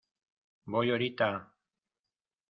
¡ voy, horita!...